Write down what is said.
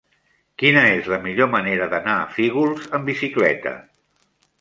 Quina és la millor manera d'anar a Fígols amb bicicleta?